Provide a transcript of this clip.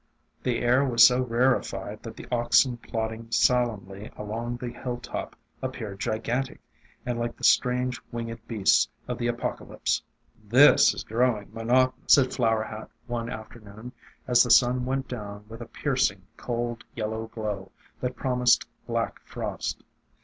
The air was so rarefied that the oxen plodding solemnly along the hill top appeared gigantic, and like the strange winged beasts of the Apocalypse. 324 AFTERMATH "This is growing monotonous," said Flower Hat one afternoon, as the sun went down with a piercing, cold yellow glow that promised black frost.